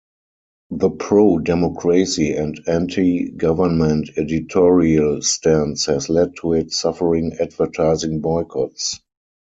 The pro-democracy and anti-government editorial stance has led to it suffering advertising boycotts.